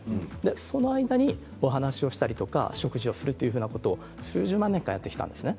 その間にお話をしたり食事をするというふうなことを数十万年間やってきたんです。